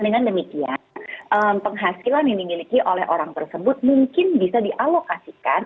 dengan demikian penghasilan yang dimiliki oleh orang tersebut mungkin bisa dialokasikan